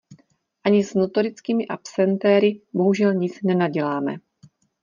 Ani s notorickými absentéry bohužel nic nenaděláme.